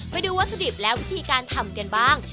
ไปดูวัตถุดิบและวิธีการทำกันบ้าง